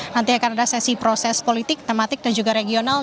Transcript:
nanti akan ada sesi proses politik tematik dan juga regional